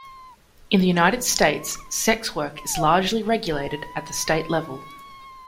In the United States sex work is largely regulated at the state level.